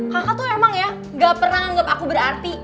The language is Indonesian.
kakak tuh emang ya gak pernah anggap aku berarti